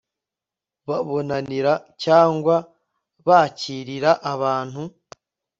babonanira cyangwa bakirira abantu